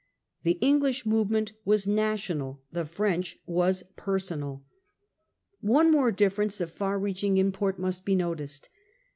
The English movement was national, the French was personal. One more difference of far reaching import must be noticed.